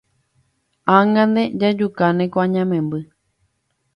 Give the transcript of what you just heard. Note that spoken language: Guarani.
Ág̃ante jajukáne ko añamemby.